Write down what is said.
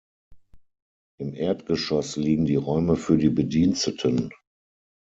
Im Erdgeschoß liegen die Räume für die Bediensteten.